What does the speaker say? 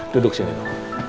duduk sini nino